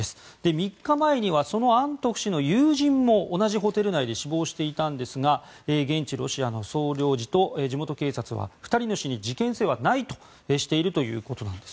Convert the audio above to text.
３日前にはそのアントフ氏の友人も同じホテル内で死亡していたんですが現地ロシアの総領事と地元警察は２人の死に事件性はないとしているということです。